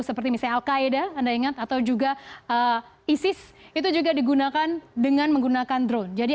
seperti misal kaedah anda ingat atau juga isis itu juga digunakan dengan menggunakan drone jadi